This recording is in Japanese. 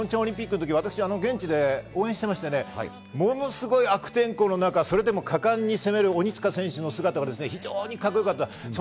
前回のピョンチャンオリンピックの時、私も現地で応援していましてね、ものすごく悪天候の中それでも果敢に攻める鬼塚選手、非常にカッコよかった。